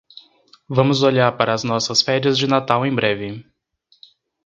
Vamos olhar para as nossas férias de Natal em breve.